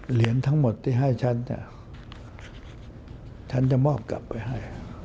เหรียญทั้งหมดที่ให้ฉันฉันจะมอบกลับไปให้